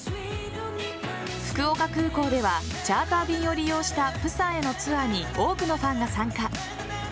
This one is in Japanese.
福岡空港ではチャーター便を利用した釜山へのツアーに多くのファンが参加。